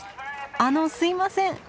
あのすいません。